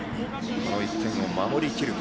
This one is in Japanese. この１点を守り切るか。